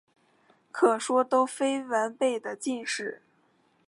可说都非完备的晋史。